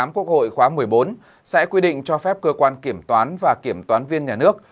quốc hội khóa một mươi bốn sẽ quy định cho phép cơ quan kiểm toán và kiểm toán viên nhà nước